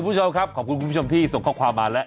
คุณผู้ชมครับขอบคุณคุณผู้ชมที่ส่งข้อความมาแล้ว